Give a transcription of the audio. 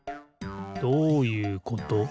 どういうこと？